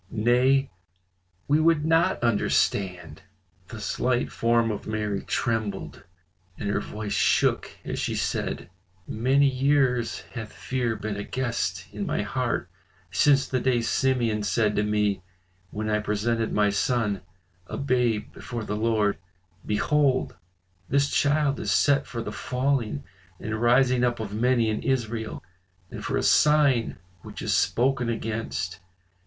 Nay! we would not understand." The slight form of Mary trembled and her voice shook as she said, "Many years hath fear been a guest in my heart since the day Simeon said to me when I presented my son a babe before the Lord, 'Behold, this child is set for the falling and rising up of many in Israel, and for a sign which is spoken against.